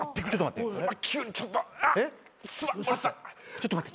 ちょっと待って。